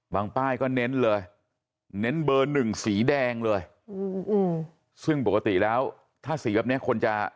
ป้ายก็เน้นเลยเน้นเบอร์หนึ่งสีแดงเลยอืมซึ่งปกติแล้วถ้าสีแบบเนี้ยคนจะ